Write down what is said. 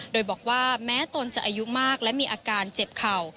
โดยบอกว่าแม้ตนจะอายุมากและมีอาการเจ็บเข่า